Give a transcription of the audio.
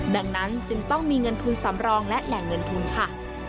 ดังนั้นจึงต้องมีเงินทุนสำรองและแหล่งเงินทุนค่ะ